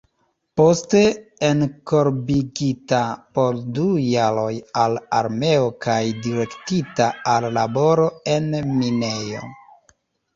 Poste enkorpigita por du jaroj al armeo kaj direktita al laboro en minejo.